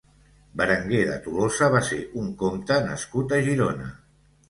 Berenguer de Tolosa va ser un comte nascut a Girona.